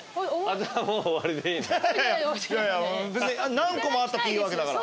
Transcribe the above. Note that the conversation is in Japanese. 何個もあったっていいわけだから。